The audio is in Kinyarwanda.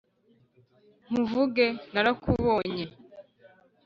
nkuvuge narakubonye